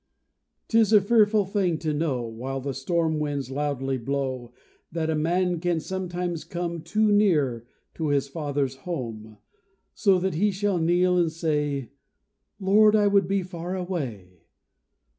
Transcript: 'Tis a fearful thing to know, While the storm winds loudly blow, That a man can sometimes come Too near to his father's home; So that he shall kneel and say, "Lord, I would be far away!"